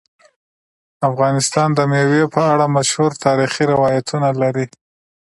افغانستان د مېوې په اړه مشهور تاریخی روایتونه لري.